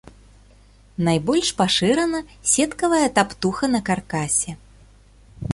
Найбольш пашырана сеткавая таптуха на каркасе.